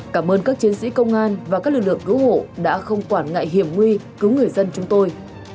cảm ơn các chiến sĩ công an và các lực lượng cứu hộ đã không quản ngại hiểm nguy cứu người dân chúng tôi